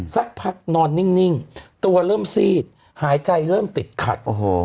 สักพักนอนนิ่งตัวเริ่มซีดหายใจเริ่มติดขัด